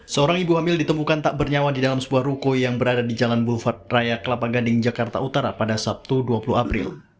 seorang ibu hamil ditemukan tak bernyawa di dalam sebuah ruko yang berada di jalan bulvard raya kelapa gading jakarta utara pada sabtu dua puluh april